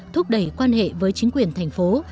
thúc đẩy quan hệ với chính quyền thành phố